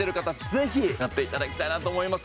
ぜひ使っていただきたいなと思います